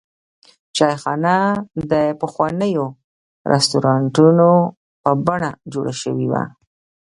چایخانه د پخوانیو رسټورانټونو په بڼه جوړه شوې وه.